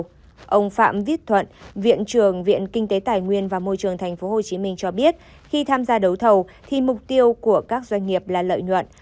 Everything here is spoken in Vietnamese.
trong viết thuận viện trường viện kinh tế tài nguyên và môi trường tp hcm cho biết khi tham gia đấu thầu thì mục tiêu của các doanh nghiệp là lợi nhuận